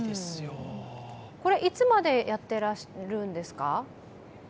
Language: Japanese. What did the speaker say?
これ、いつまでやっているんですか？